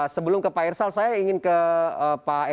sebelum ke pak irsal saya ingin ke pak erla